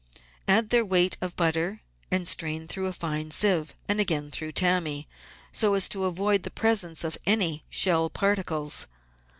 Add their weight of butter, and strain through a fine sieve, and again through tammy, so as to avoid the presence of any shell particles.